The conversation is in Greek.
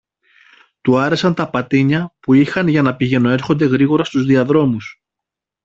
Του άρεσαν τα πατίνια που είχαν για να πηγαινοέρχονται γρήγορα στους διαδρόμους